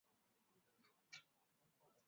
他现在效力于克罗地亚球队萨格勒布。